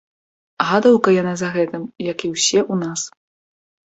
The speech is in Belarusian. Гадаўка яна за гэтым, як і ўсе ў нас.